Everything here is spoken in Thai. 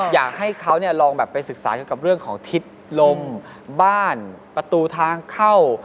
อยากให้เขาลองแบบไปศึกษาเกี่ยวกับเรื่องของทิศลมบ้านประตูทางเข้า